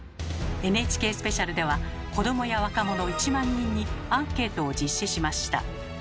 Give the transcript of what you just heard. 「ＮＨＫスペシャル」では子どもや若者１万人にアンケートを実施しました。